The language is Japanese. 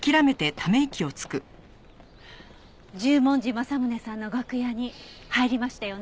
十文字政宗さんの楽屋に入りましたよね？